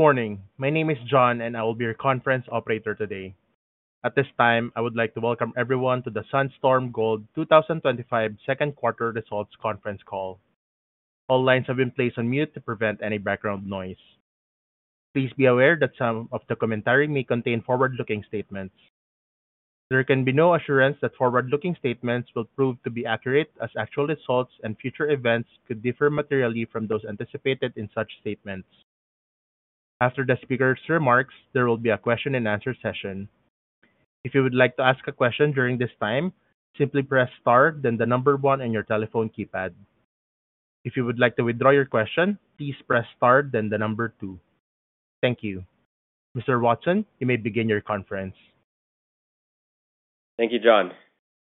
Good morning. My name is John and I will be your conference operator today. At this time, I would like to welcome everyone to the Sandstorm Gold 2025 Second Quarter Results Conference Call. All lines have been placed on mute to prevent any background noise. Please be aware that some of the commentary may contain forward-looking statements. There can be no assurance that forward-looking statements will prove to be accurate, as actual results and future events could differ materially from those anticipated in such statements. After the speaker's remarks, there will be a question-and-answer session. If you would like to ask a question during this time, simply press Star, then the number one on your telephone keypad. If you would like to withdraw your question, please press Star, then the number two. Thank you. Mr. Watson, you may begin your conference. Thank you, John.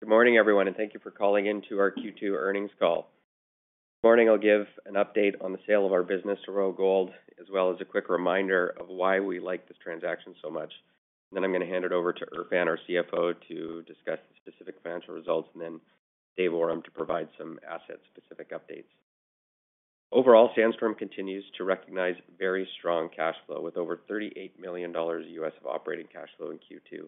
Good morning everyone, and thank you for calling into our Q2 earnings call. Morning, I'll give an update on the sale of our business to Royal Gold, as well as a quick reminder of why we like this transaction so much. I'm going to hand it over to Erfan, our CFO, to discuss the specific financial results, and then David Awram to provide some asset-specific updates. Overall, Sandstorm continues to recognize very strong cash flow, with over $38 million of operating cash flow in Q2.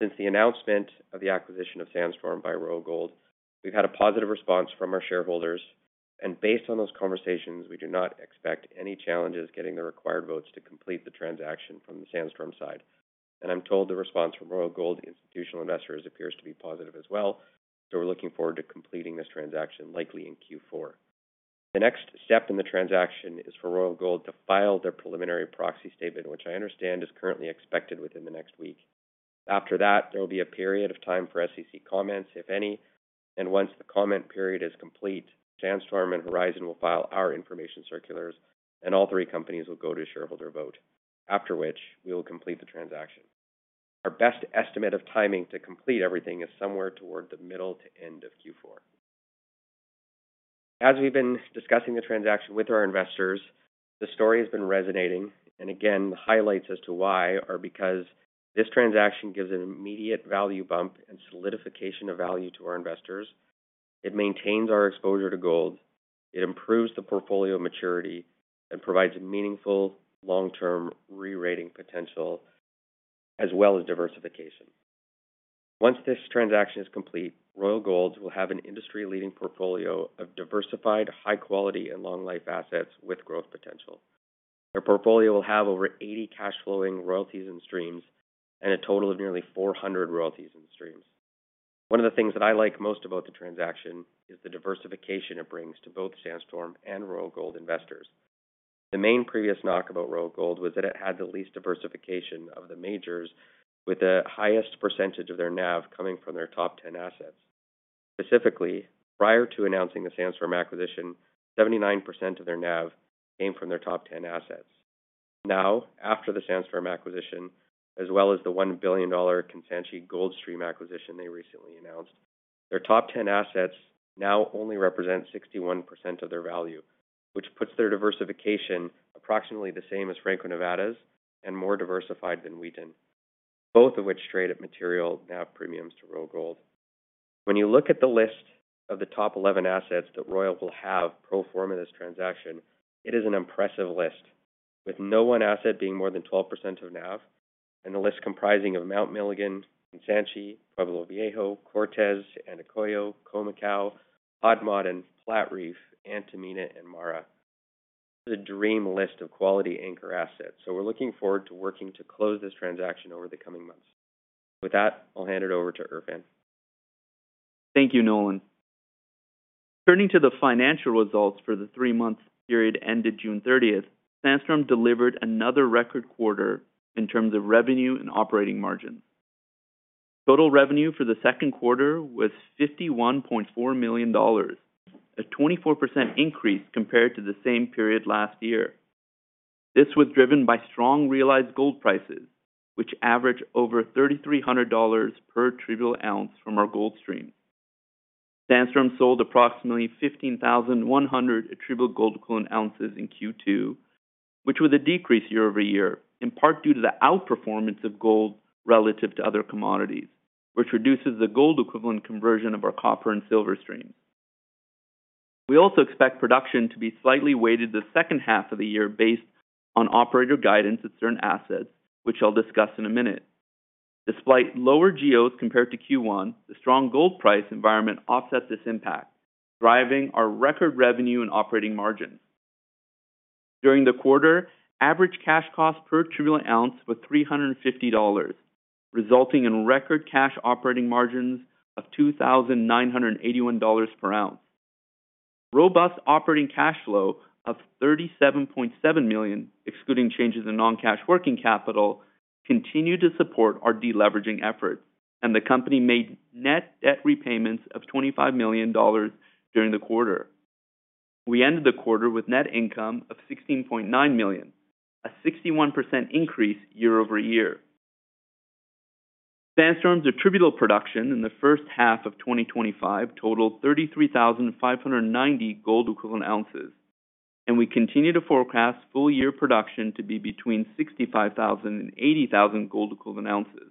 Since the announcement of the acquisition of Sandstorm by Royal Gold, we've had a positive response from our shareholders, and based on those conversations, we do not expect any challenges getting the required votes to complete the transaction from the Sandstorm side. I'm told the response from Royal Gold institutional investors appears to be positive as well, so we're looking forward to completing this transaction likely in Q4. The next step in the transaction is for Royal Gold to file their preliminary proxy statement, which I understand is currently expected within the next week. After that, there will be a period of time for SEC comments, if any, and once the comment period is complete, Sandstorm and Horizon will file our information circulars, and all three companies will go to shareholder vote, after which we will complete the transaction. Our best estimate of timing to complete everything is somewhere toward the middle to end of Q4. As we've been discussing the transaction with our investors, the story has been resonating, and again, the highlights as to why are because this transaction gives an immediate value bump and solidification of value to our investors. It maintains our exposure to gold, it improves the portfolio maturity, and provides meaningful long-term re-rating potential, as well as diversification. Once this transaction is complete, Royal Gold will have an industry-leading portfolio of diversified, high-quality, and long-life assets with growth potential. Their portfolio will have over 80 cash-flowing royalties and streams, and a total of nearly 400 royalties and streams. One of the things that I like most about the transaction is the diversification it brings to both Sandstorm and Royal Gold investors. The main previous knock about Royal Gold was that it had the least diversification of the majors, with the highest percentage of their NAV coming from their top 10 assets. Specifically, prior to announcing the Sandstorm acquisition, 79% of their NAV came from their top 10 assets. Now, after the Sandstorm acquisition, as well as the $1 billion Caserones gold stream acquisition they recently announced, their top 10 assets now only represent 61% of their value, which puts their diversification approximately the same as Franco-Nevada's and more diversified than Wheaton both of which trade at material NAV premiums to Royal Gold. When you look at the list of the top 11 assets that Royal will have pro forma this transaction, it is an impressive list, with no one asset being more than 12% of NAV, and the list comprising Mount Milligan, Caserones, Pueblo Viejo, Cortez, Antapaccay, Comarca, Hot Maden, Platreef, Antamina, and Mara. It's a dream list of quality anchor assets, so we're looking forward to working to close this transaction over the coming months. With that, I'll hand it over to Erfan. Thank you, Nolan. Turning to the financial results for the three-month period ended June 30th, Sandstorm delivered another record quarter in terms of revenue and operating margins. Total revenue for the second quarter was $51.4 million, a 24% increase compared to the same period last year. This was driven by strong realized gold prices, which averaged over $3,300 per trivial ounce from our gold streams. Sandstorm sold approximately 15,100 trivial gold equivalent ounces in Q2, which was a decrease year-over-year, in part due to the outperformance of gold relative to other commodities, which reduces the gold equivalent conversion of our copper streams and silver streams. We also expect production to be slightly weighted to the second half of the year based on operator guidance at certain assets, which I'll discuss in a minute. Despite lower GEOs compared to Q1, the strong gold price environment offsets this impact, driving our record revenue and operating margins. During the quarter, average cash cost per troy ounce was $350, resulting in record cash operating margins of $1,950 per ounce. Robust operating cash flow of $37.7 million, excluding changes in non-cash working capital, continued to support our deleveraging efforts, and the company made net debt repayments of $25 million during the quarter. We ended the quarter with net income of $16.9 million, a 61% increase year over year. Sandstorm's attributable production in the first half of 2023 totaled 33,590 gold equivalent ounces, and we continue to forecast full-year production to be between 65,000 and 80,000 gold equivalent ounces.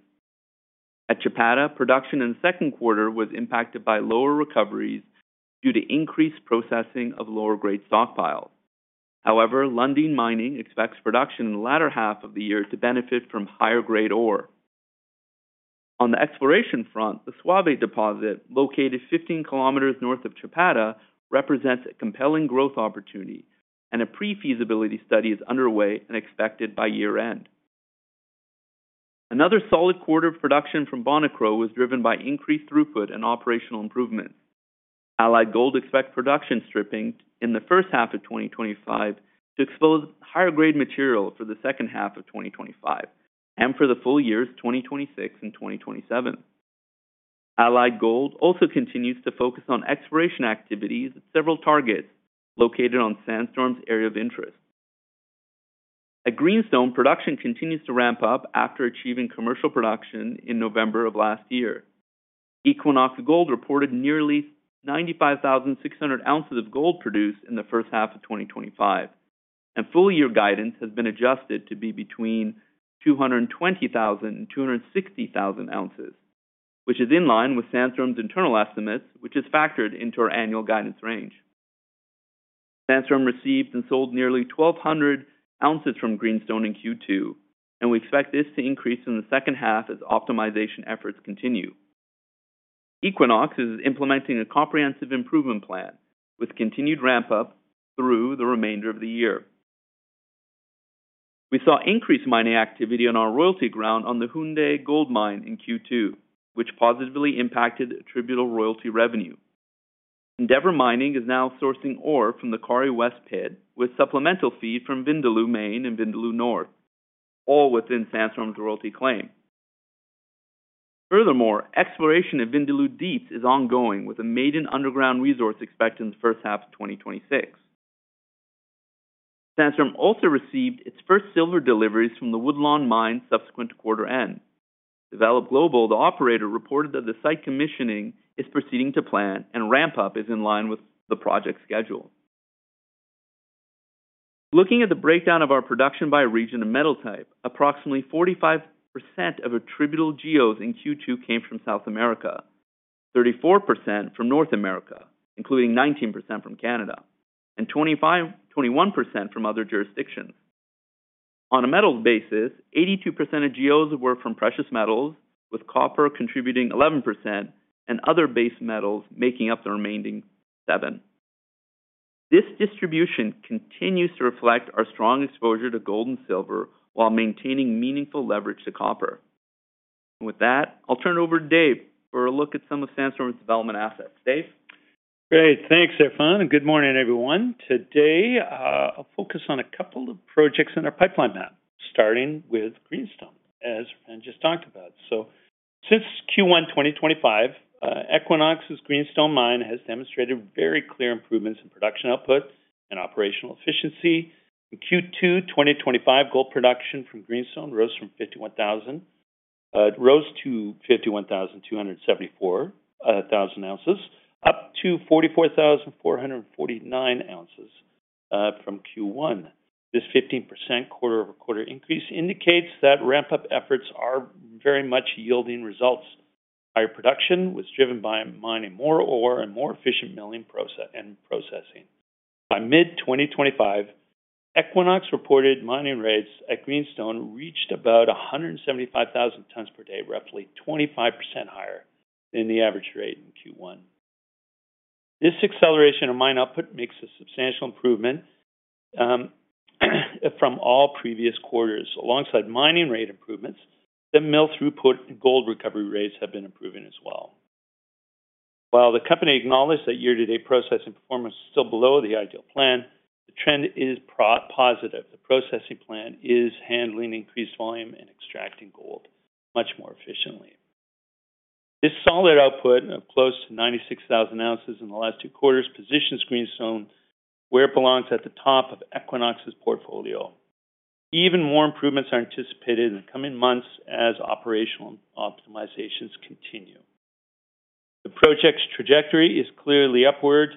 At Chapada, production in the second quarter was impacted by lower recoveries due to increased processing of lower-grade stockpiles. However, Lundin Mining expects production in the latter half of the year to benefit from higher-grade ore. On the exploration front, the Suave deposit located 15 km north of Chapada represents a compelling growth opportunity, and a pre-feasibility study is underway and expected by year-end. Another solid quarter of production from Bonikro was driven by increased throughput and operational improvements. Allied Gold expects production stripping in the first half of 2023 to expose higher-grade material for the second half of 2023 and for the full years 2024 and 2025. Allied Gold also continues to focus on exploration activities at several targets located on Sandstorm's area of interest. At Greenstone, production continues to ramp up after achieving commercial production in November of last year. Equinox Gold reported nearly 95,600 ounces of gold produced in the first half of 2025, and full-year guidance has been adjusted to be between 220,000 ounces and 260,000 ounces, which is in line with Sandstorm's internal estimates, which is factored into our annual guidance range. Sandstorm received and sold nearly 1,200 ounces from Greenstone in Q2, and we expect this to increase in the second half as optimization efforts continue. Equinox is implementing a comprehensive improvement plan with continued ramp-up through the remainder of the year. We saw increased mining activity on our royalty ground on the Houndé Gold Mine in Q2, which positively impacted attributable royalty revenue. Endeavour Mining is now sourcing ore from the Kari West pit, with supplemental feed from Vindaloo Main and Vindaloo North, all within Sandstorm's royalty claim. Furthermore, exploration at Vindaloo Deeps is ongoing with a maiden underground resource expected in the first half of 2026. Sandstorm also received its first silver deliveries from the Woodlawn Mine subsequent to quarter end. Developed global, the operator, reported that the site commissioning is proceeding to plan, and ramp-up is in line with the project schedule. Looking at the breakdown of our production by region and metal type, approximately 45% of attributable gold equivalent ounces in Q2 came from South America, 34% from North America, including 19% from Canada, and 21% from other jurisdictions. On a metal basis, 82% of gold equivalent ounces were from precious metals, with copper contributing 11% and other base metals making up the remaining 7%. This distribution continues to reflect our strong exposure to gold and silver while maintaining meaningful leverage to copper. With that, I'll turn it over to Dave for a look at some of Sandstorm's development assets. Dave? Great, thanks Erfan, and good morning everyone. Today, I'll focus on a couple of projects in our pipeline map, starting with Greenstone, as I just talked about. Since Q1 2025, Equinox's Greenstone mine has demonstrated very clear improvements in production output and operational efficiency. In Q2 2025, gold production from Greenstone rose to 51,274 ounces, up from 44,449 ounces in Q1. This 15% quarter-over-quarter increase indicates that ramp-up efforts are very much yielding results. Higher production was driven by mining more ore and more efficient milling and processing. By mid-2025, Equinox reported mining rates at Greenstone reached about 175,000 tons per day, roughly 25% higher than the average rate in Q1. This acceleration in mine output makes a substantial improvement from all previous quarters. Alongside mining rate improvements, the mill throughput and gold recovery rates have been improving as well. While the company acknowledges that year-to-date processing performance is still below the ideal plan, the trend is positive. The processing plant is handling increased volume and extracting gold much more efficiently. This solid output of close to 96,000 ounces in the last two quarters positions Greenstone where it belongs at the top of Equinox's portfolio. Even more improvements are anticipated in the coming months as operational optimizations continue. The project's trajectory is clearly upward,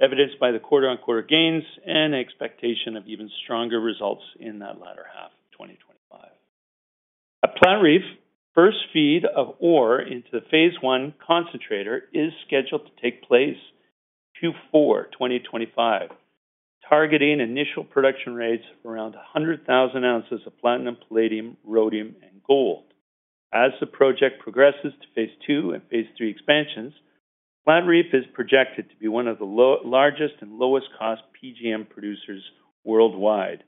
evidenced by the quarter-on-quarter gains and expectation of even stronger results in the latter half of 2025. At Platreef, the first feed of ore into the Phase I concentrator is scheduled to take place in Q4 2025, targeting initial production rates of around 100,000 ounces of platinum, palladium, rhodium, and gold. As the project progresses to phase II and phase III expansions, Platreef is projected to be one of the largest and lowest cost PGM producers worldwide.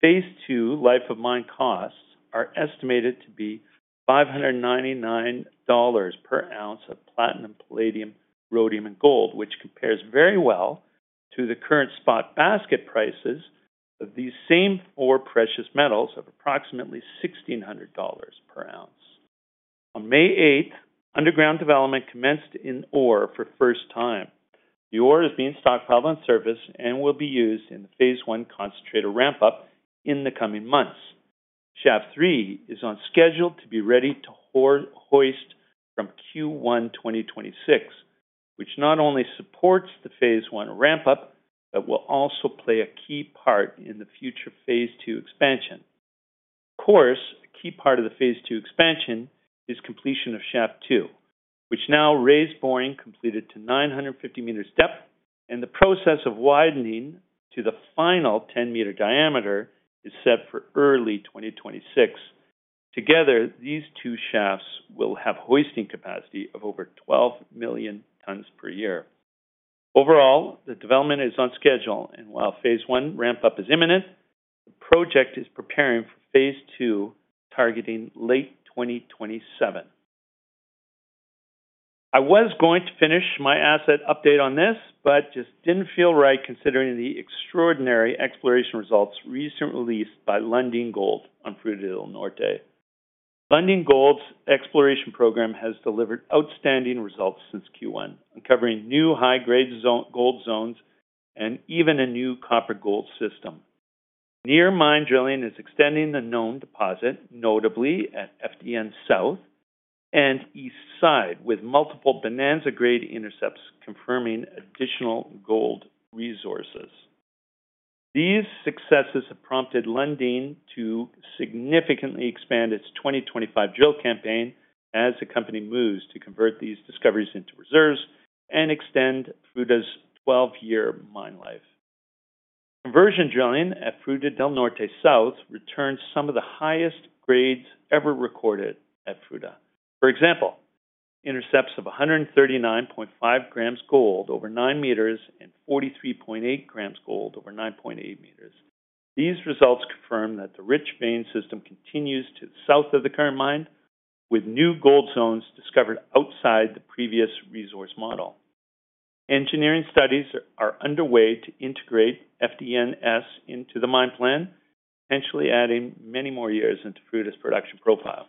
Phase II life of mine costs are estimated to be $599 per ounce of platinum, palladium, rhodium, and gold, which compares very well to the current spot basket prices of these same four precious metals of approximately $1,600 per ounce. On May 8th, underground development commenced in ore for the first time. The ore is being stockpiled on surface and will be used in the phase I concentrator ramp-up in the coming months. Shaft 3 is on schedule to be ready to hoist from Q1 2026, which not only supports the phase I ramp-up but will also play a key part in the future Phase II expansion. Of course, a key part of the phase II expansion is completion of Shaft 2, which now has raise boring completed to 950 m depth, and the process of widening to the final 10 m diameter is set for early 2026. Together, these two shafts will have a hoisting capacity of over 12 million tons per year. Overall, the development is on schedule, and while phase I ramp-up is imminent, the project is preparing for phase II, targeting late 2027. I was going to finish my asset update on this, but just didn't feel right considering the extraordinary exploration results recently released by Lundin Gold on Fruta del Norte. Lundin Gold's exploration program has delivered outstanding results since Q1, uncovering new high-grade gold zones and even a new copper-gold system. Near mine drilling is extending the known deposit, notably at FDN South and East Side, with multiple bonanza-grade intercepts confirming additional gold resources. These successes have prompted Lundin to significantly expand its 2025 drill campaign as the company moves to convert these discoveries into reserves and extend Fruta's 12-year mine life. Conversion drilling at Fruta del Norte South returns some of the highest grades ever recorded at Fruta. For example, intercepts of 139.5 g gold over 9 m and 43.8 g gold over 9.8 m. These results confirm that the rich vein system continues to the south of the current mine, with new gold zones discovered outside the previous resource model. Engineering studies are underway to integrate FDN South into the mine plan, potentially adding many more years into Fruta's production profile.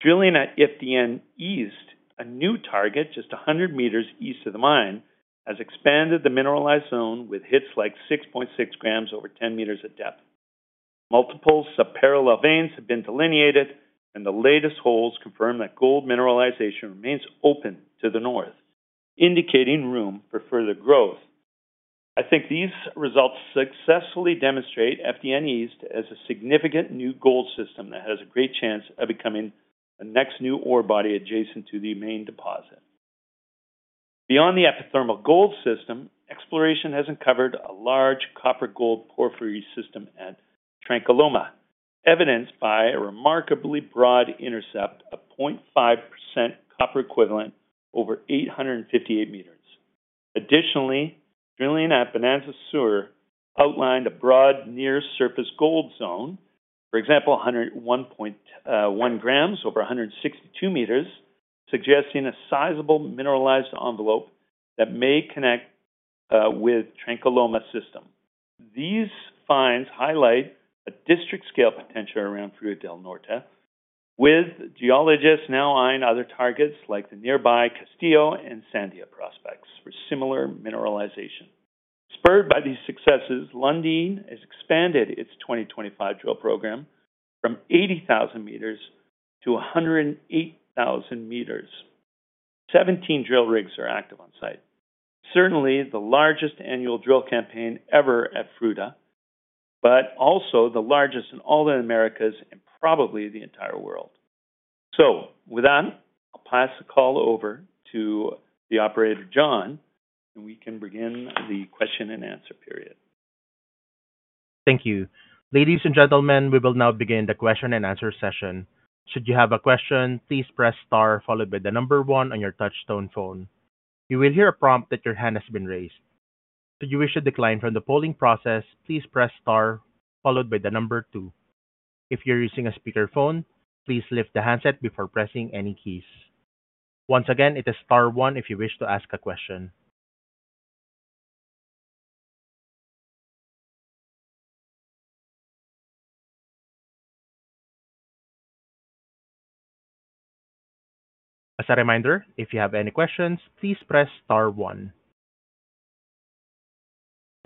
Drilling at FDN East, a new target just 100 m east of the mine, has expanded the mineralized zone with hits like 6.6 g over 10 m at depth. Multiple subparallel veins have been delineated, and the latest holes confirm that gold mineralization remains open to the north, indicating room for further growth. I think these results successfully demonstrate FDN East as a significant new gold system that has a great chance of becoming the next new ore body adjacent to the main deposit. Beyond the epithermal gold system, exploration has uncovered a large copper-gold porphyry system at Trancaloma, evidenced by a remarkably broad intercept of 0.5% copper equivalent over 858 m. Additionally, drilling at Bonanza Sur outlined a broad near-surface gold zone, for example, 101.1 g over 162 m, suggesting a sizable mineralized envelope that may connect with the Trancaloma system. These finds highlight a district-scale potential around Fruta del Norte, with geologists now eyeing other targets like the nearby Castillo and Sandia prospects for similar mineralization. Spurred by these successes, Lundin Gold has expanded its 2025 drill program from 80,000 m to 108,000 m. Seventeen drill rigs are active on site, certainly the largest annual drill campaign ever at Fruta, but also the largest in all the Americas and probably the entire world. I'll pass the call over to the operator, John, and we can begin the question and answer period. Thank you. Ladies and gentlemen, we will now begin the question-and-answer session. Should you have a question, please press Star followed by the number one on your touch-tone phone. You will hear a prompt that your hand has been raised. Should you wish to decline from the polling process, please press Star followed by the number two. If you're using a speakerphone, please lift the handset before pressing any keys. Once again, it is star one if you wish to ask a question. As a reminder, if you have any questions, please press star one.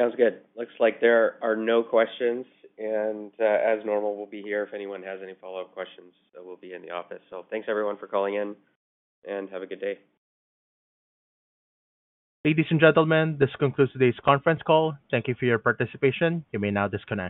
Sounds good. Looks like there are no questions, and as normal, we'll be here if anyone has any follow-up questions. We'll be in the office, so thanks everyone for calling in, and have a good day. Ladies and gentlemen, this concludes today's conference call. Thank you for your participation. You may now disconnect.